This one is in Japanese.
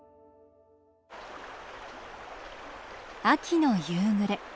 秋の夕暮れ。